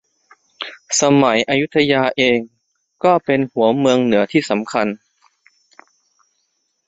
สมัยอยุธยาเองก็เป็นหัวเมืองเหนือที่สำคัญ